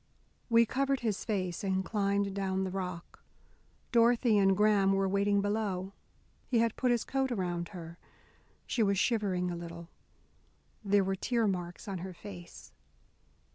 We covered his face and climbed down the rock. Dorothy and Graham were waiting below. He had put his coat around her. She was shivering a little. There were tear marks on her face.